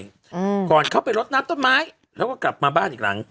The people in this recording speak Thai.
อืมก่อนเข้าไปรดน้ำต้นไม้แล้วก็กลับมาบ้านอีกหลัง